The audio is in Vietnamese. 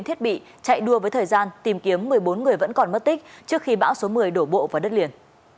thiết bị chạy đua với thời gian tìm kiếm một mươi bốn người vẫn còn mất tích trước khi bão số một mươi đổ bộ vào đất liền